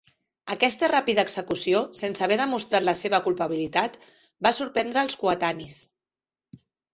Aquesta ràpida execució sense haver demostrat la seua culpabilitat va sorprendre els coetanis.